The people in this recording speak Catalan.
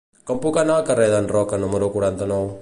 Com puc anar al carrer d'en Roca número quaranta-nou?